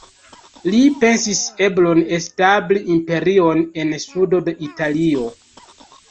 Li pensis eblon establi imperion en sudo de Italio.